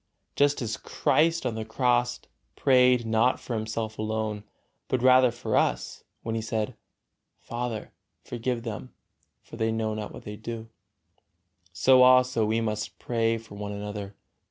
Just as Christ on the Cross prayed not for Himself alone, but rather for us, when He said, "Father, forgive them, fort they know not what they do," so we also must pray for one another.